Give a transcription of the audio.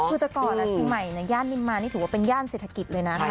คือจากก่อนอาชิมัยย่านนินมานี่ถือว่าเป็นย่านเศรษฐกิจเลยนะครับ